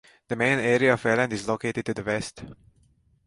The main area of Welland is located to the west.